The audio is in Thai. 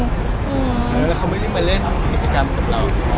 แล้วเขาไม่ได้มาเล่นกิจกรรมกับเรา